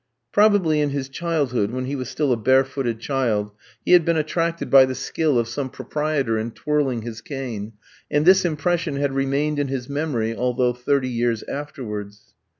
Probably in his childhood, when he was still a barefooted child, he had been attracted by the skill of some proprietor in twirling his cane, and this impression had remained in his memory, although thirty years afterwards.